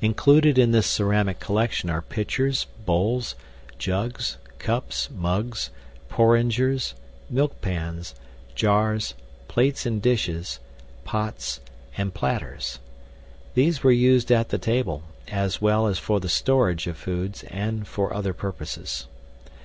Included in this ceramic collection are pitchers, bowls, jugs, cups, mugs, porringers, milk pans, jars, plates and dishes, pots, and platters. These were used at the table, as well as for the storage of foods, and for other purposes.